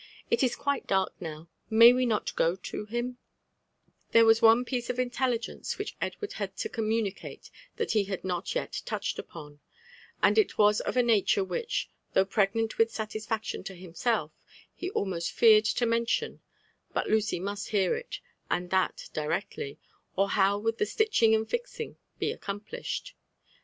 It is quite dark now — ^may we not go to him T* There was one piece of intelligence which Edward had to commu nicate that he had not yet touched upon, and it was of a nature which, though pregnant with satisfaction to himself, he almost feared to men tion; but Lucy must hear it, and that directly, or how would the stitching and fixing" be accomplished?